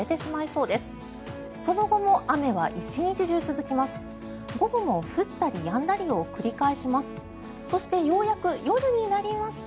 その後も雨は１日中続きます。